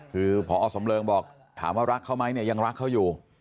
คือพอสำเริงบอกถามว่ารักเขาไหมเนี่ยยังรักเขาอยู่